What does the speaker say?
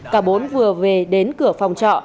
cả bốn vừa về đến cửa phòng trọ